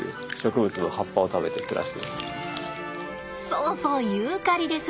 そうそうユーカリです。